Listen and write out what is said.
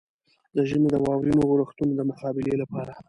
د ژمي د واورينو اورښتونو د مقابلې لپاره.